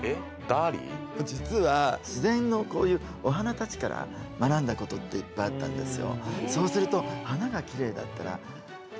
実は自然のこういうお花たちから学んだことっていっぱいあったんですよ。